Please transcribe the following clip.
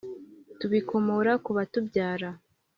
tubikomora ku batubyara